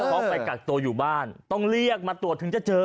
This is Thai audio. เขาไปกักตัวอยู่บ้านต้องเรียกมาตรวจถึงจะเจอ